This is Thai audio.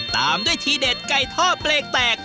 ตามด้วยทีเด็ดไก่ทอดเปรกแตก